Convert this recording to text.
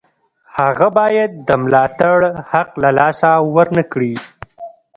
هغه باید د ملاتړ حق له لاسه ورنکړي.